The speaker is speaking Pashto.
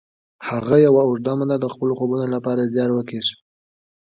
هغه یوه اوږده موده د خپلو خوبونو لپاره زیار وکیښ